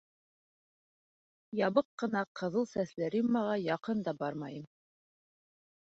Ябыҡ ҡына ҡыҙыл сәсле Риммаға яҡын да бармайым.